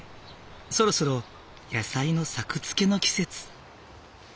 そろそろ野菜の作付けの季節。